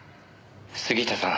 「杉下さん」